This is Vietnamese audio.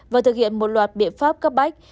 và thực hiện một loạt biện pháp cấp bách